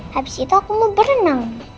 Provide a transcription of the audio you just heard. habis itu aku mau berenang